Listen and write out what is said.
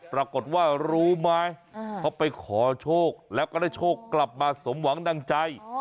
ปรากฏว่ารู้ไหมเขาไปขอโชคแล้วก็ได้โชคกลับมาสมหวังดังใจ